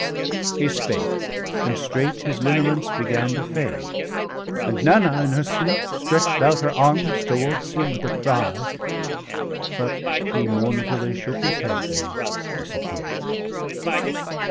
He spake, and straight his lineaments began To fade; and Nanna in her sleep stretch'd out Her arms towards him with a cry — but he Mournfully shook his head, and disappear'd.